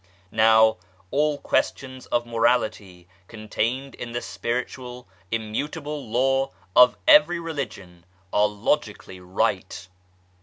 Now, all questions of Morality contained in the Spiritual, immutable Law of every Religion are logic ally right.